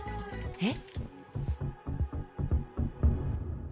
えっ？